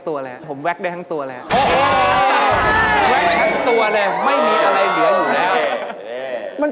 แว๊กได้ครับ